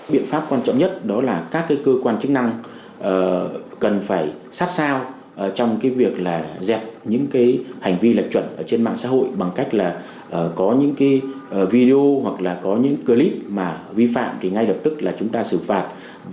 biện pháp quan trọng nhất đó là các cơ quan chức năng cần phải sát sao trong cái việc là dẹp những cái hành vi lệch chuẩn trên mạng xã hội bằng cách là có những cái video hoặc là có những clip mà vi phạm thì ngay lập tức là chúng ta xử phạt